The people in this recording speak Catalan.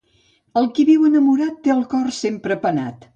El qui viu enamorat té el cor sempre penat.